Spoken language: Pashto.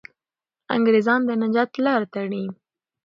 انګریزان د نجات لاره تړي.